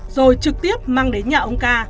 rồi trực tiếp mang đến nhà ông ca